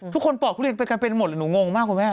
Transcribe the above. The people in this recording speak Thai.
ทุกคนปอกทุเรียนเป็นกันเป็นหมดหนูงงมากคุณแม่